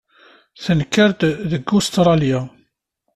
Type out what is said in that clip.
Tenker-d deg Ustṛalya.